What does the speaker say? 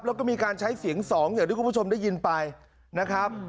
แล้วก็มีการใช้เสียง๒อย่างที่คุณผู้ชมได้ยินไปนะครับ